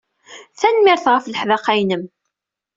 Tanemmirt ɣef leḥdaqa-inem.